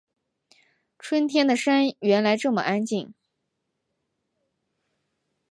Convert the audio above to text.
春天的山原来这么安静